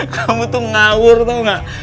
kamu tuh ngawur tuh gak